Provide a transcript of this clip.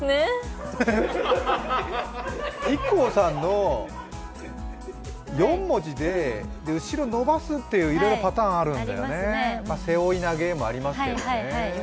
ＩＫＫＯさんの４文字で後ろ伸ばすっていう、いろいろなパターンがあるんだよね、背負い投げもありますけど。